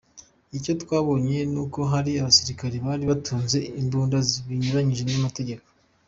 “Icyo twabonye n’uko hari abasirikare bari batunze imbunda binyuranyije n’amategeko.